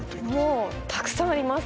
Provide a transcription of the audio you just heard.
もうたくさんあります。